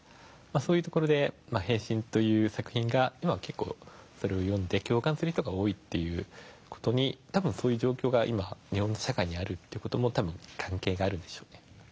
そういうところで「変身」という作品が今も結構それを読んで共感する人が多いという事に多分そういう状況が今日本の社会にあるという事も関係があるんでしょうね。